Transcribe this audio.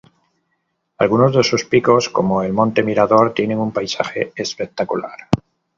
Algunos de sus picos, como el monte Mirador, tienen un paisaje espectacular.